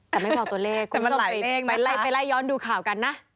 แต่ไม่บอกตัวเลขคุณผู้ชมไปไล่ย้อนดูข่าวกันนะ